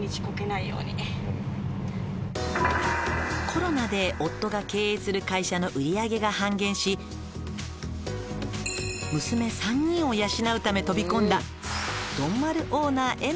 「コロナで夫が経営する会社の売り上げが半減し娘３人を養うため飛び込んだ」